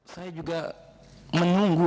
saya juga menunggu